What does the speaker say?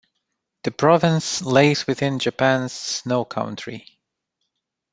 The province lays within Japan's "Snow country".